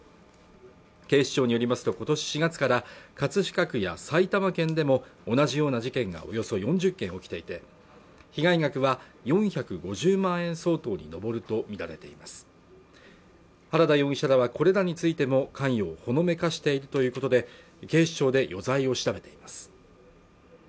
警視庁によりますとことし４月から葛飾区や埼玉県でも同じような事件がおよそ４０件起きていて被害額は４５０万円相当に上るとみられています原田容疑者らはこれらについても関与をほのめかしているということで警視庁で余罪を調べています